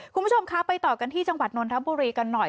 คุณผู้ชมคะไปต่อกันที่จังหวัดนนทบุรีกันหน่อย